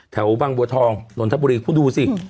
แถวบางบัวทองนนทบุรีคุณดูสิ